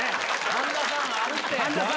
半田さんあるって！